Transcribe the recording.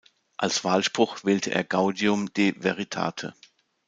Als Wahlspruch wählte er "Gaudium de veritate".